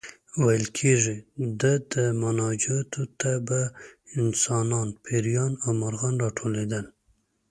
ویل کېږي د ده مناجاتو ته به انسانان، پېریان او مرغان راټولېدل.